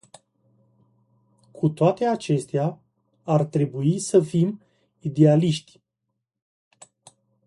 Cu toate acestea, ar trebui să fim idealiști.